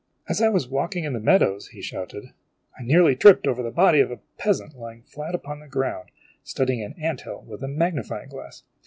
"As I was walking in the mea dows," he shouted, "I nearly tripped over the body of a peasant lying flat upon the ground, studying an ant hill with a magnifying glass.